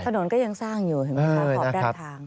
ถนนก็ยังสร้างอยู่หอบด้านทาง